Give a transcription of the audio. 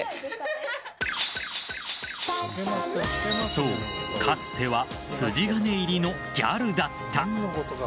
そう、かつては筋金入りのギャルだった。